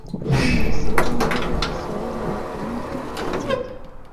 yaani Uislamu Lugha ya Kiswahili ilitumika katika